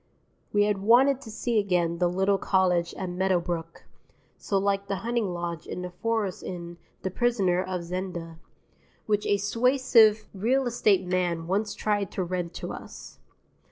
We had wanted to see again the little cottage at Meadowbrook (so like the hunting lodge in the forest in "The Prisoner of Zenda") which a suasive real estate man once tried to rent to us.